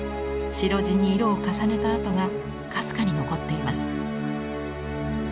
白地に色を重ねた跡がかすかに残っています。